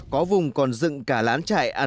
có vùng còn dựng cả lán trại ăn